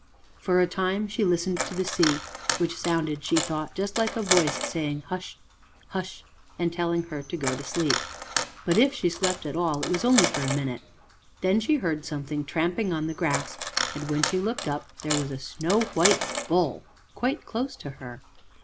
For a time she listened to the sea, which sounded, she thought, just like a voice saying, "Hush, hush," and telling her to go to sleep. But if she slept at all it was only for a minute. Then she heard something tramping on the grass and, when she looked up, there was a snow white bull quite close to her!